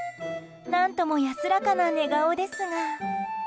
何とも安らかな寝顔ですが。